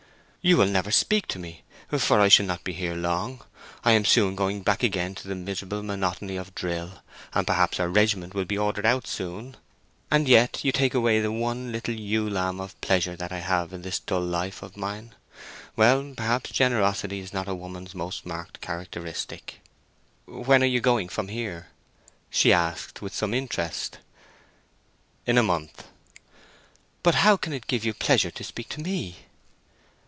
"You will never speak to me; for I shall not be here long. I am soon going back again to the miserable monotony of drill—and perhaps our regiment will be ordered out soon. And yet you take away the one little ewe lamb of pleasure that I have in this dull life of mine. Well, perhaps generosity is not a woman's most marked characteristic." "When are you going from here?" she asked, with some interest. "In a month." "But how can it give you pleasure to speak to me?"